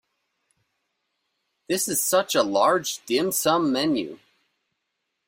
This is such a large dim sum menu.